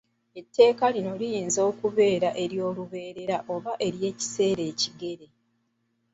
Etteeka lino liyinza okubeera eryolubeerera oba eryekiseera ekigere.